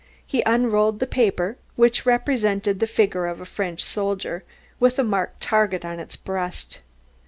He unrolled the paper, which represented the figure of a French soldier with a marked target on the breast.